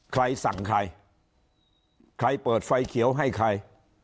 ใครสั่งใครใครเปิดไฟเขียวให้ใคร